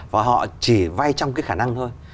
và họ chỉ vay trong cái khả năng thôi